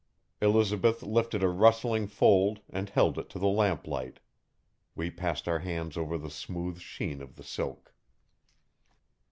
Elizabeth lifted a rustling fold and held it to the lamplight We passed our hands over the smooth sheen of the silk.